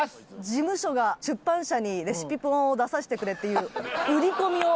事務所が出版社にレシピ本を出させてくれっていう売り込みを。